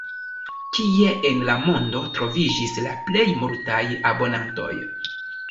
Kie en la mondo troviĝis la plej multaj abonantoj?